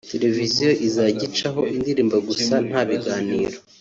televiziyo izajya icaho indirimbo gusa nta biganiro